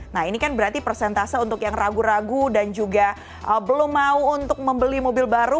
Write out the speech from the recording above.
nah ini kan berarti persentase untuk yang ragu ragu dan juga belum mau untuk membeli mobil baru